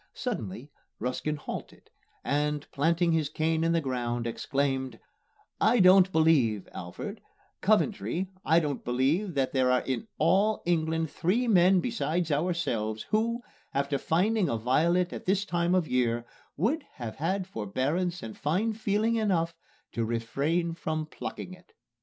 Suddenly Ruskin halted and, planting his cane in the ground, exclaimed, "I don't believe, Alfred Coventry, I don't believe that there are in all England three men besides ourselves who, after finding a violet at this time of year, would have had forbearance and fine feeling enough to refrain from plucking it."